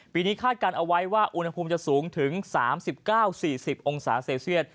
ปีนี้คาดการณ์เอาไว้ว่าอุณหภูมิจะสูงถึง๓๙๔๐องศาเซลเซียต